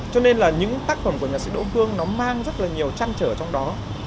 cho nên là những tác phẩm của nhạc sĩ đỗ phương nó mang rất là nhiều trăn trở trong đó